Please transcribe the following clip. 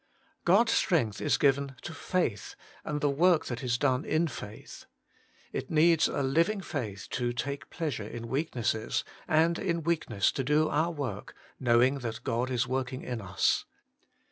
God's strength is given to faith, and the zvork that is done in faith. — It needs a liv ing faith to take pleasure in weaknesses, and in weakness to do our work, knowing that God is working in us.